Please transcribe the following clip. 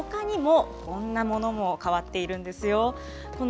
ほかにも、こんなものも変わっているんですよ。